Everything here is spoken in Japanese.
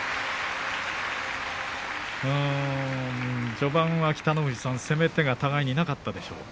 序盤は北の富士さん、攻め手が互いになかったでしょうか。